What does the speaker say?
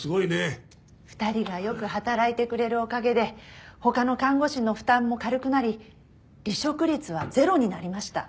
２人がよく働いてくれるおかげで他の看護師の負担も軽くなり離職率はゼロになりました。